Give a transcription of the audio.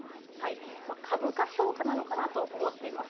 株価評価なのかなと思っています。